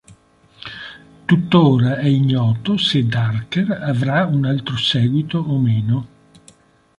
Tuttora è ignoto se "Darker" avrà un altro seguito o meno.